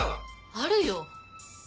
あるよ！